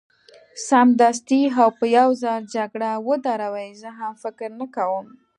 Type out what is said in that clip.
سمدستي او په یو ځل جګړه ودروي، زه هم فکر نه کوم.